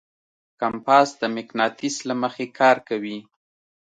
کمپاس د مقناطیس له مخې کار کوي.